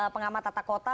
pengamat tata kota